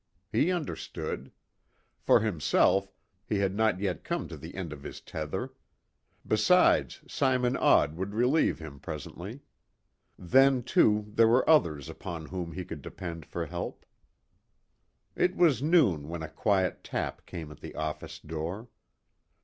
He understood. For himself, he had not yet come to the end of his tether. Besides, Simon Odd would relieve him presently. Then, too, there were others upon whom he could depend for help. It was noon when a quiet tap came at the office door.